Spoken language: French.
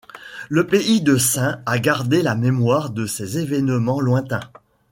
Le pays de Saints a gardé la mémoire de ces événements lointains.